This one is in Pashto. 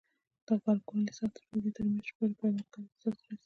د غبرګولي څخه د وږي تر میاشتې پورې پیوند کاری سرته رسیږي.